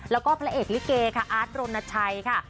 แล้วก็พระเอกลิเกค่ะอาร์ตรณชัยค่ะ